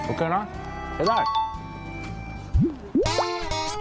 โอเคนะใช้ได้